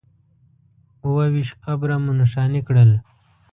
اووه ویشت قبره مو نښانې کړل.